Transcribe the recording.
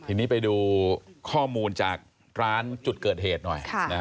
ทีนี้ไปดูข้อมูลจากร้านจุดเกิดเหตุหน่อย